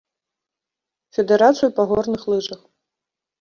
Федэрацыю па горных лыжах.